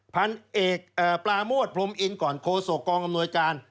พันเอกปราโมทพรมอินก่อนโคศกองอำนวยการ